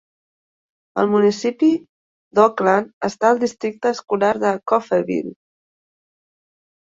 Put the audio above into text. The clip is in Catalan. El municipi d'Oakland està al Districte escolar de Coffeeville.